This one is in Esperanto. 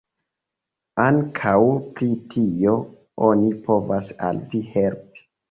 Ankaŭ pri tio oni povas al vi helpi.